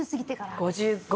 ５５。